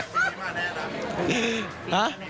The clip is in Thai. ปีนี้มาแน่ครับ